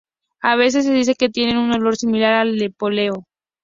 A veces se dice que tiene un olor similar al del poleo.